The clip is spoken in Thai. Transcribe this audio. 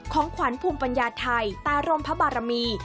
ของขวัญภูมิปัญญาไทยตารมพระบารมี